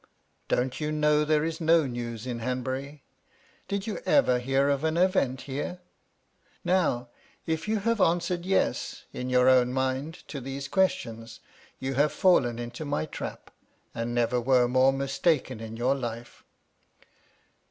Don't you know there 'is no news in Hanbury? Did you ever hear of an * event here ? Now, if you have answered "Yes," in your ' own mind to these questions, you have fallen into my *trap, and never were more mistaken in your life.